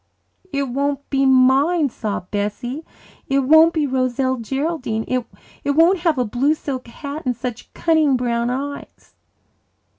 "It won't be mine," sobbed Bessie. "It won't be Roselle Geraldine. It won't have a blue silk hat and such cunning brown eyes."